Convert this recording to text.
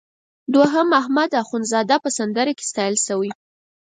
دوهم احمد اخوندزاده په سندره کې ستایل شوی.